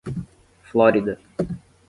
Flórida